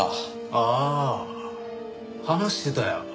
ああ話してたよ。